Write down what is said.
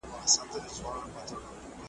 پر لړمون مي چړې گرځي زړه مي شين دئ .